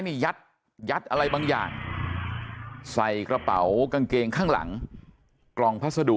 นี่ยัดอะไรบางอย่างใส่กระเป๋ากางเกงข้างหลังกล่องพัสดุ